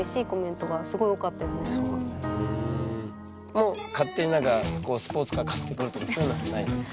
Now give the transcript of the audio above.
もう勝手にスポーツカー買ってくるとかそういうのはないんですか？